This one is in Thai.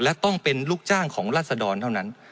และต้องเป็นลูกจ้างของรัศดรเท่านั้น